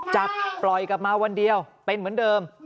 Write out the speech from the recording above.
จับปล่อยกลับมาวันเดียวเป็นเหมือนเดิม